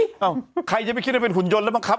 อ้าวใครจะไม่คิดให้มันเป็นหุนยนต์แล้วบ้างครับ